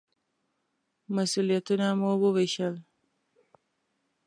مسوولیتونه مو ووېشل.